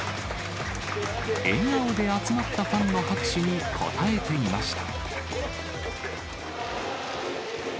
笑顔で集まったファンの拍手に応えていました。